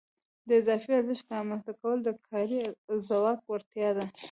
د اضافي ارزښت رامنځته کول د کاري ځواک وړتیا ده